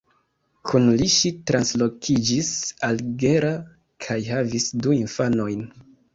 Kun li ŝi translokiĝis al Gera kaj havis du infanojn.